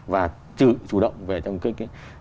và chủ động về trong cái